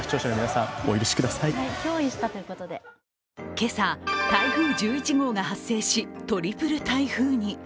今朝、台風１１号が発生しトリプル台風に。